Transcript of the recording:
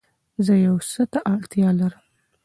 زه يو څه ته اړتيا لرم